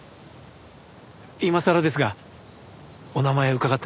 今さらですがお名前伺っても？